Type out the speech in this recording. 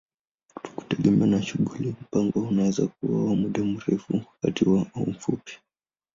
Kutegemea na shughuli, mpango unaweza kuwa wa muda mrefu, wa kati au mfupi.